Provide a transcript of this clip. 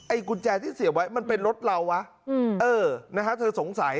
กุญแจที่เสียบไว้มันเป็นรถเราวะนะฮะเธอสงสัย